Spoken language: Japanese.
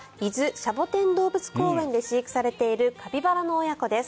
シャボテン動物公園で飼育されているカピバラの親子です。